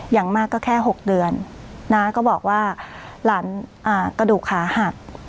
อย่างมากก็แค่๖เดือนน้าก็บอกว่าหลานกระดูกขาหัก